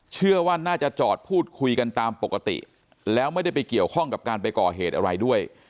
เชื่อว่าน่าจะจอดพูดคุยกันตามปกติแล้วไม่ได้ไปเกี่ยวข้องกับการไปก่อเหตุอะไรด้วย